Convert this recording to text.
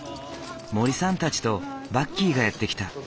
森さんたちとバッキーがやって来た。